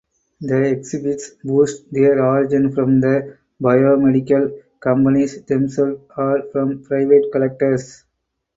The exhibits boast their origin from the biomedical companies themselves or from private collectors.